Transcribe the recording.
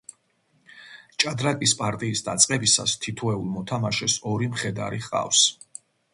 ჭადრაკის პარტიის დაწყებისას თითოეულ მოთამაშეს ორი მხედარი ჰყავს.